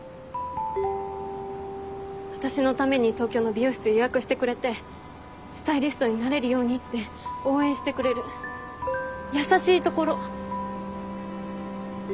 私のために東京の美容室予約してくれてスタイリストになれるようにって応援してくれる優しいところ。